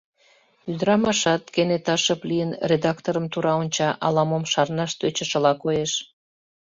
Ӱдрамашат, кенета шып лийын, редакторым тура онча, ала-мом шарнаш тӧчышыла коеш.